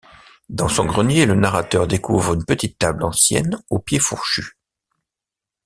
Dans son grenier, le narrateur découvre une petite table ancienne aux pieds fourchus.